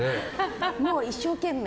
もう一生懸命。